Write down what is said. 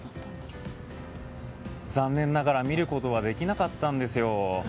残念ながら見ることはできなかったんですよ。